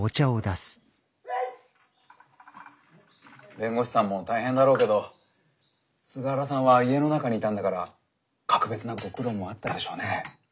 ・弁護士さんも大変だろうけど菅原さんは家の中にいたんだから格別なご苦労もあったでしょうね。